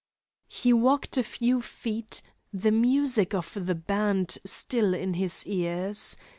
He walked a few feet, the music of the band still in his ears.